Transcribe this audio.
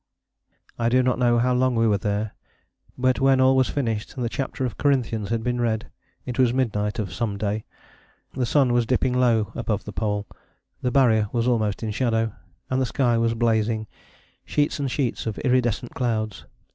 I do not know how long we were there, but when all was finished, and the chapter of Corinthians had been read, it was midnight of some day. The sun was dipping low above the Pole, the Barrier was almost in shadow. And the sky was blazing sheets and sheets of iridescent clouds.